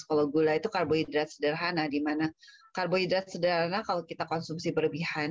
kalau gula itu karbohidrat sederhana dimana karbohidrat sederhana kalau kita konsumsi berlebihan